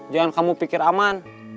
jangan kamu pikir aman